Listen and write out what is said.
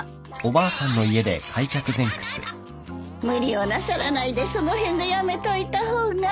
無理をなさらないでその辺でやめといた方が。